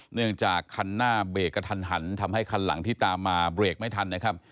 เนื่องจากคันหน้าเบรกกระทันหันทำให้คันหลังที่ตามมาเบรกไม่ทันนะครับ